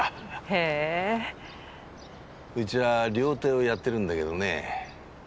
へぇうちは料亭をやってるんだけどね